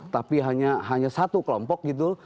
tapi hanya satu kelompok gitu